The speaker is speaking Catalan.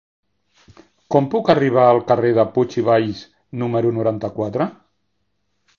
Com puc arribar al carrer de Puig i Valls número noranta-quatre?